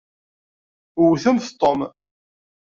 Wwtemt Tom.